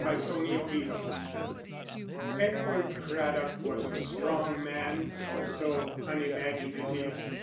Chapter XVII Edward Craddock was a strong man, also unimaginative.